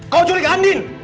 kau culik andien